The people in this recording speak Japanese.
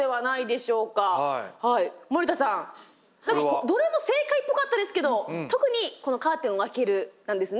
森田さんどれも正解っぽかったですけど特にこの「カーテンを開ける」なんですね。